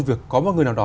việc có một người nào đó